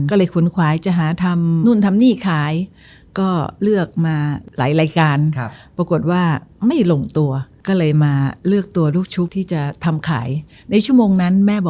ก็เลยค้นควายจะหาทำนู่นทำหนี้ขาย